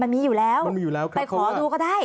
มันมีอยู่แล้วไปขอดูก็ได้